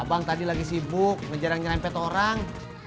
abang tadi lagi sibuk ngejarang nyerempet orang